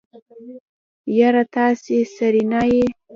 يره تاسې سېرېنا يئ.